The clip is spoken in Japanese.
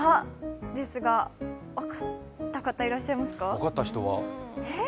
分かった方いらっしゃいますか？